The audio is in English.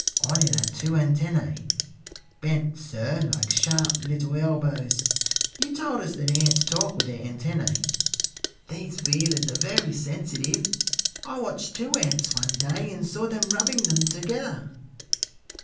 On it are two antennæ, bent, sir, like sharp little elbows. You told us that ants talk with their antennæ. These feelers are very sensitive. I watched two ants one day and saw them rubbing them together."